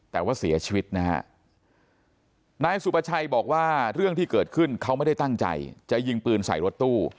แต่ว่าเสียชีวิตนะฮะนายสุประชัยบอกว่าเรื่องที่เกิดขึ้นเขาไม่ได้ตั้งใจจะยิงปืนใส่รถตู้